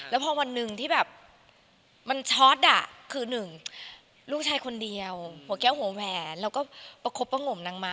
เราก็รู้สึกว่านางเพิ่งหกครั้ง